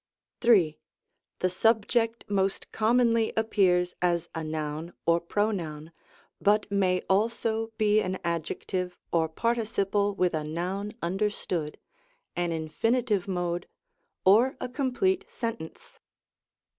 3. The subject most commonly appears as a noun or pronoun, but may also be an adjective or participle with a noun understood, an infinitive mode, or a com plete sentence.